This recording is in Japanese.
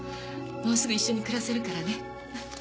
もうすぐ一緒に暮らせるからね。